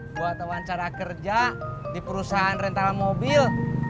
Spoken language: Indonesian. buat wawancara kerja di perusahaan rental mobil